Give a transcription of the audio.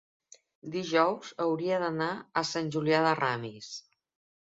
dijous hauria d'anar a Sant Julià de Ramis.